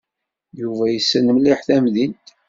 Yuba yessen mliḥ tamdint.